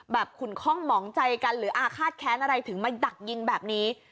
ขุนคล่องหมองใจกันหรืออาฆาตแค้นอะไรถึงมาดักยิงแบบนี้